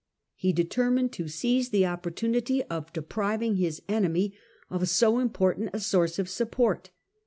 He determined to seize the opportunity of depriving his enemy of so important a source of support.